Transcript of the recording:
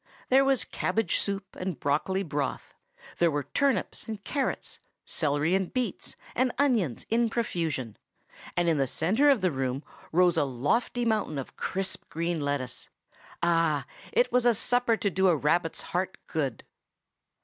There was cabbage soup and broccoli broth. There were turnips and carrots, celery and beets and onions, in profusion; and in the centre of the room rose a lofty mountain of crisp green lettuce. Ah! that was a supper to do a rabbit's heart good!